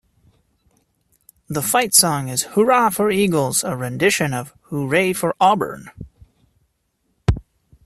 The fight song is Hoorah for Eagles a rendition of Hooray for Auburn!!